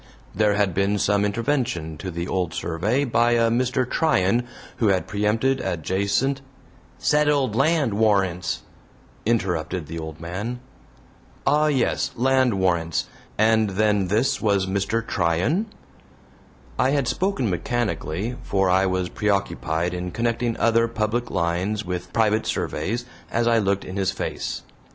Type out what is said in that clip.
There had been some intervention to the old survey by a Mr. Tryan who had preempted adjacent "settled land warrants," interrupted the old man. "Ah, yes! Land warrants and then this was Mr. Tryan?" I had spoken mechanically, for I was preoccupied in connecting other public lines with private surveys as I looked in his face.